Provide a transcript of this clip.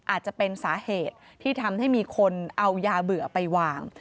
อาจจะเป็นสาเหตุที่ทำให้มีคนเอายาเบื่อไปวาง